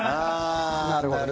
なるほど。